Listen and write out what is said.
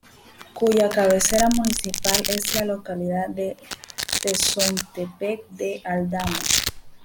Cuya cabecera municipal es la localidad de Tezontepec de Aldama.